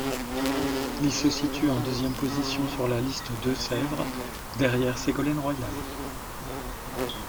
Il se situe en deuxième position sur la liste Deux-Sèvres, derrière Ségolène Royal.